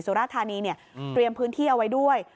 สุราธานีเนี่ยเตรียมพื้นที่เอาไว้ด้วย